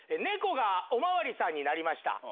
猫がおまわりさんになりました。